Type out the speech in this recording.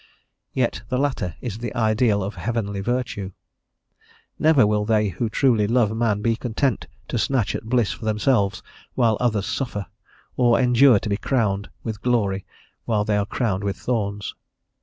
Yet the latter is the ideal of heavenly virtue. Never will they who truly love man be content to snatch at bliss for themselves while others suffer, or endure to be crowned with glory while they are crowned with thorns.